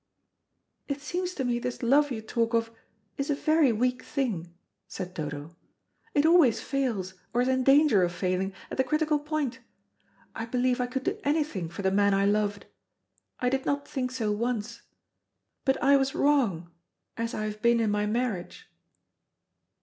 "It seems to me this love you talk of is a very weak thing," said Dodo. "It always fails, or is in danger of failing, at the critical point. I believe I could do anything for the man I loved. I did not think so once. But I was wrong, as I have been in my marriage."